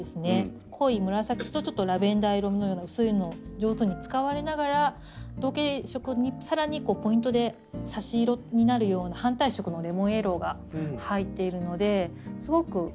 濃い紫とちょっとラベンダー色のような薄いのを上手に使われながら同系色にさらにポイントで差し色になるような反対色のレモンイエローが入っているのですごくバランス。